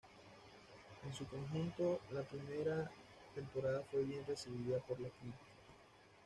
En su conjunto, la primera temporada fue bien recibida por la crítica.